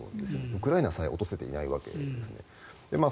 ウクライナさえ落とせていないわけですから。